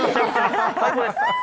最高です！